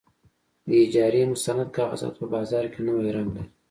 د اجارې مستند کاغذات په بازار کې نوی رنګ لري.